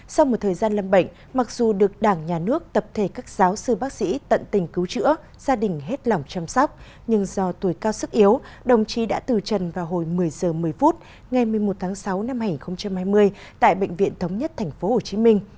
sau một thời gian lâm bệnh mặc dù được đảng nhà nước tập thể các giáo sư bác sĩ tận tình cứu chữa gia đình hết lòng chăm sóc nhưng do tuổi cao sức yếu đồng chí đã từ trần vào hồi một mươi h một mươi phút ngày một mươi một tháng sáu năm hai nghìn hai mươi tại bệnh viện thống nhất tp hcm